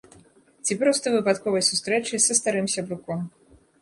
Ці проста выпадковай сустрэчай са старым сябруком.